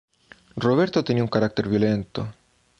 Roberto tenía un carácter violento.